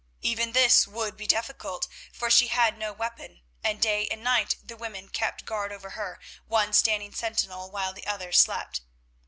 Even this would be difficult, for she had no weapon, and day and night the women kept guard over her, one standing sentinel, while the other slept.